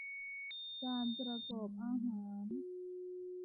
การประกอบอาหาร